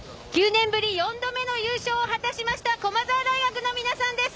９年ぶり４度目の優勝を果たしました駒澤大学の皆さんです。